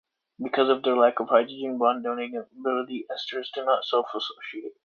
Because of their lack of hydrogen-bond-donating ability, esters do not self-associate.